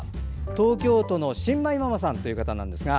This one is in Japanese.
東京都の新米ママさんという方です。